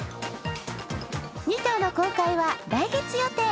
２頭の公開は来月予定。